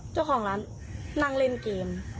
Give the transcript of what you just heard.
เจ้าของร้านนั่งเล่นเกม